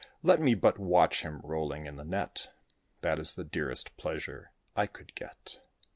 Let me but watch him rolling in the net. That is the dearest pleasure I could get!"